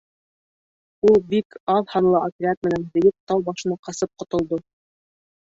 — Ул бик аҙ һанлы отряд менән бейек тау башына ҡасып ҡотолдо.